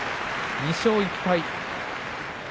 ２勝１敗。